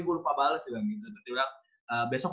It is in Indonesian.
gue lupa bales dia bilang besok